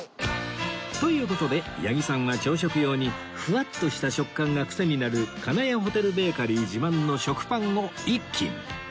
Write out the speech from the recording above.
という事で八木さんは朝食用にフワッとした食感がクセになる金谷ホテルベーカリー自慢の食パンを１斤